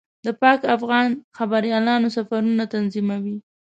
د پاک افغان خبریالانو سفرونه تنظیموي.